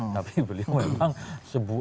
tapi beliau memang seorang tokoh yang cukup panjang